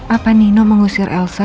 apa nino mengusir elsa